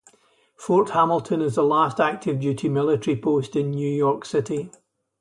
Fort Hamilton is the last active-duty military post in New York City.